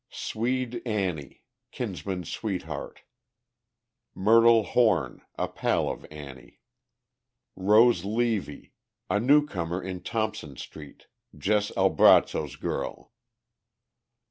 "SWEDE ANNIE," Kinsman's sweetheart. MYRTLE HORN, a pal of Annie. ROSE LEVY, a newcomer in Thompson street, Jess Albrazzo's girl.